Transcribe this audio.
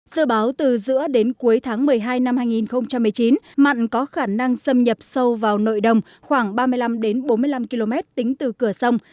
sơ báo từ giữa đến cuối tháng một mươi hai năm hai nghìn một mươi chín mặn có khả năng xâm nhập sâu vào nội đồng khoảng ba mươi năm bốn mươi năm km tính từ cửa sông